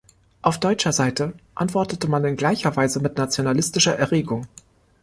Auf deutscher Seite antwortete man in gleicher Weise mit nationalistischer Erregung.